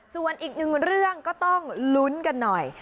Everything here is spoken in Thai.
ส่วนอีกหนึ่งเรื่องก็ต้องลุ้นกันหน่อย